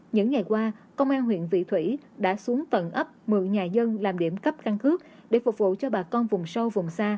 những ngày qua công an huyện vị thủy đã xuống tận ấp mượn nhà dân làm điểm cấp căn cước để phục vụ cho bà con vùng sâu vùng xa